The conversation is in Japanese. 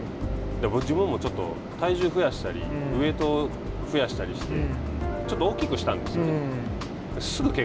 自分もちょっと体重を増やしたりウエイトを増やしたりしてちょっと大きくしたんですよね。